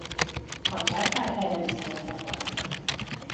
A császár erre visszavonta a parancsot.